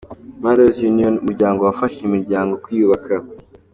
Mothers Union: Umuryango wafashije imiryango kwiyubaka.